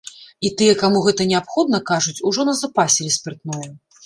І тыя, каму гэта неабходна, кажуць, ужо назапасілі спіртное.